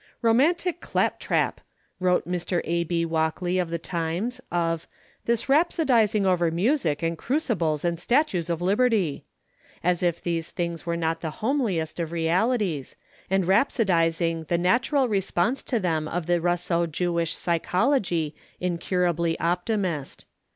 "Romantic claptrap," wrote Mr. A. B. Walkley in the Times of "this rhapsodising over music and crucibles and statues of Liberty." As if these things were not the homeliest of realities, and rhapsodising the natural response to them of the Russo Jewish psychology, incurably optimist.